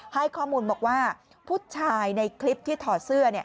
ให้ข้อมูลบอกว่าผู้ชายในคลิปที่ถอดเสื้อเนี่ย